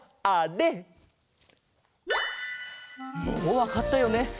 もうわかったよね？